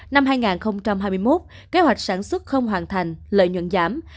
năm hai nghìn hai mươi một kế hoạch sản xuất không hoàn thành lợi nhuận giảm